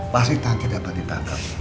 pasti taki dapat ditangkap